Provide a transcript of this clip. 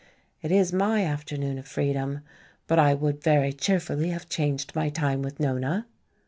It is my afternoon of freedom, but I would very cheerfully have changed my time with Nona."